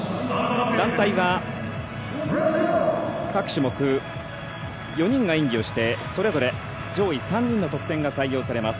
団体は各種目４人が演技をしてそれぞれ上位３人の得点が採用されます。